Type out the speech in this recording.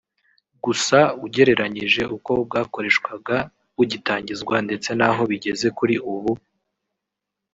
Gusa ugereranyije uko bwakoreshwaga bugitangizwa ndetse n’aho bigeze kuri ubu